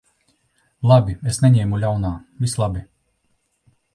Labi. Es neņemu ļaunā. Viss labi.